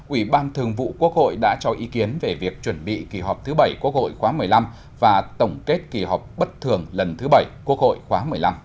ủy ban thường vụ quốc hội đã cho ý kiến về việc chuẩn bị kỳ họp thứ bảy quốc hội khóa một mươi năm và tổng kết kỳ họp bất thường lần thứ bảy quốc hội khóa một mươi năm